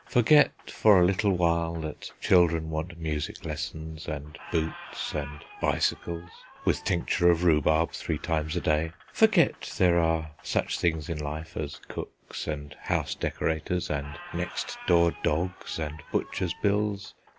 Forget for a little while that children want music lessons, and boots, and bicycles, with tincture of rhubarb three times a day; forget there are such things in life as cooks, and house decorators, and next door dogs, and butchers' bills.